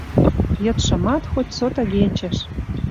Йыдшымат хоть сотыгечӹш